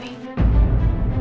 cinta kamu buat dewi